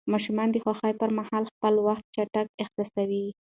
ماشومان د خوښۍ پر مهال وخت چټک احساسوي.